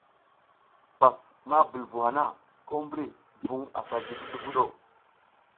Pas ma bul vu hana, ko mbri vuƞ asa gi ti duvuɗ o.